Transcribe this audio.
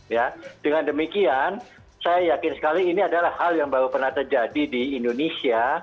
ya dengan demikian saya yakin sekali ini adalah hal yang baru pernah terjadi di indonesia